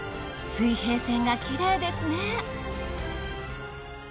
水平線がきれいですね。